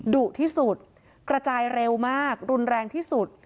ดุที่สุดกระจายเร็วมากรุนแรงที่สุด